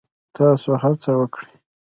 تاسو هڅه وکړئ